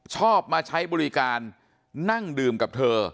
ชอบมาใช้บริการนั่งดื่มกับเธอ